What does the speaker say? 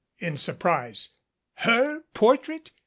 in surprise. "Her portrait!